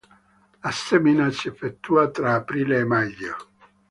La semina si effettua tra aprile e maggio.